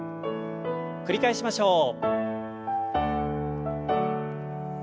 繰り返しましょう。